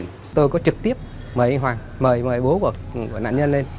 mời anh hoàng mời bố của nạn nhân lên